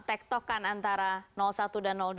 tektokan antara satu dan dua